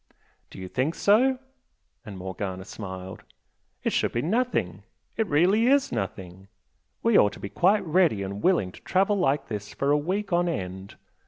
"Do you think so?" and Morgana smiled "It should be nothing it really is nothing! We ought to be quite ready and willing to travel like this for a week on end!